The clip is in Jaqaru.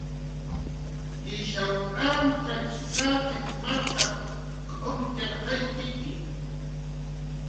"Ishaw antzatx jaqiq markap"" k'umtxarqayki"